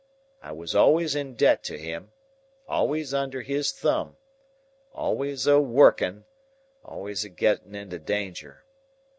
I was always in debt to him, always under his thumb, always a working, always a getting into danger.